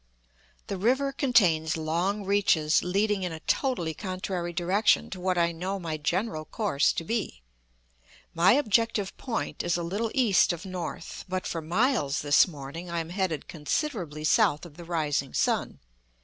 The river contains long reaches leading in a totally contrary direction to what I know my general course to be. My objective point is a little east of north, but for miles this morning I am headed considerably south of the rising sun.